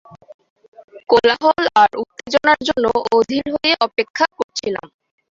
কোলাহল আর উত্তেজনার জন্য অধীর হয়ে অপেক্ষা করছিলাম।